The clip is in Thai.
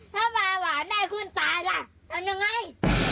ถ้าวาหวานได้ขึ้นตายล่ะทำยังไง